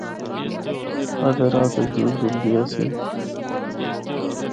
ادھا راہ تک جیپ جُلدی آسی۔